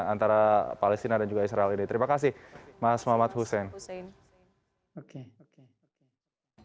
antara palestina dan juga israel ini terima kasih mas muhammad hussein